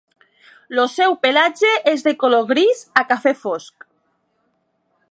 El seu pelatge és de color gris a cafè fosc.